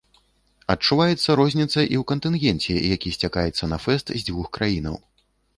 Адчуваецца розніцца і ў кантынгенце, які сцякаецца на фэст з дзвюх краінаў.